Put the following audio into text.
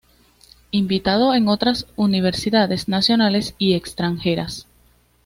Invitado en otras universidades nacionales y extranjeras.